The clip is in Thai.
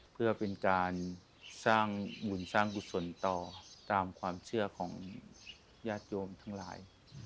เพื่อเป็นการสร้างบุญสร้างกุศลต่อตามความเชื่อของญาติโยมทั้งหลาย